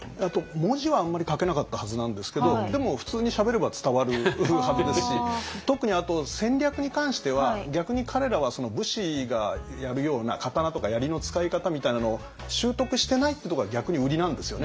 文字はあんまり書けなかったはずなんですけどでも普通にしゃべれば伝わるはずですし特に戦略に関しては逆に彼らは武士がやるような刀とか槍の使い方みたいなのを習得してないってとこが逆にウリなんですよね。